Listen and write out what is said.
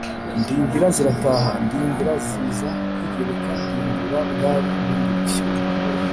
ndimbira zirataha: ndimbira ziza kwiyereka ndimbira bwari ubundi bushyo